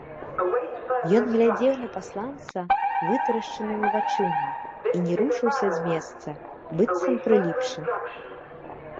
Ён глядзеў на пасланца вытрашчанымі вачыма і не рушыўся з месца, быццам прыліпшы.